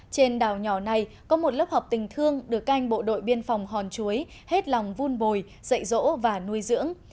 trên đảo nhỏ này có một lớp học tình thương được canh bộ đội biên phòng hòn chuối hết lòng vun bồi dạy rỗ và nuôi dưỡng